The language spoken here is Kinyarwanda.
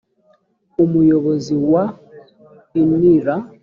umuyobozi wa unr